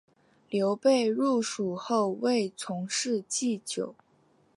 刘备入蜀后为从事祭酒。